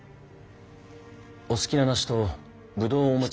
お好きな梨と葡萄をお持ち。